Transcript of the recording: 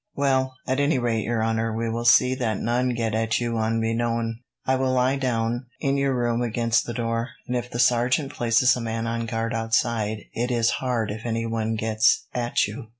"Well, at any rate, your honour, we will see that none get at you unbeknown. I will lie down in your room against the door, and if the sergeant places a man on guard outside, it is hard if anyone gets at you."